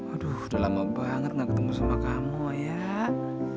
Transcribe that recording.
aduh udah lama banget gak ketemu sama kamu ayah